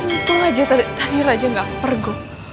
untung aja tadi raja gak ke pergok